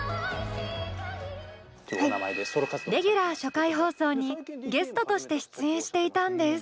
レギュラー初回放送にゲストとして出演していたんです。